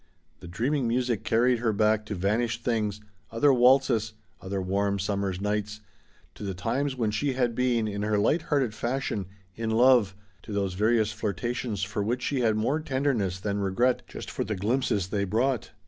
The dreaming music carried her back to vanished things other waltzes, other warm summer's nights, to the times when she had been, in her light hearted fashion, in love, to those various flirtations for which she had more tenderness than regret just for the glimpses they brought.